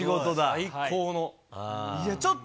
最高の。